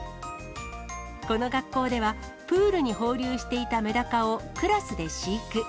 この学校では、プールに放流していたメダカを、クラスで飼育。